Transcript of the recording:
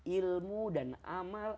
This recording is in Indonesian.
ilmu dan amal